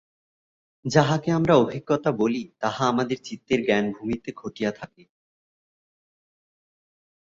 যাহাকে আমরা অভিজ্ঞতা বলি, তাহা আমাদের চিত্তের জ্ঞানভূমিতে ঘটিয়া থাকে।